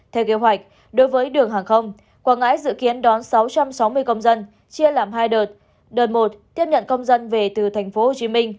theo kế hoạch đối với đường hàng không quảng ngãi dự kiến đón sáu trăm sáu mươi công dân chia làm hai đợt đợt một tiếp nhận công dân về từ tp hcm